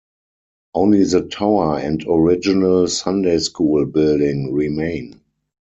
Only the tower and original Sunday school building remain.